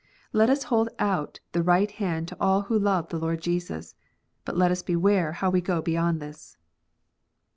Let us hold out the right hand to all who love the Lord Jesus, but let us beware how we go beyond this.